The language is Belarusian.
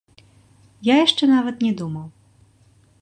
Я яшчэ нават не думаў.